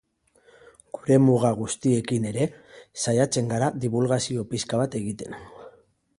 Gure muga guztiekin ere, saiatzen gara dibulgazio pixka bat egiten.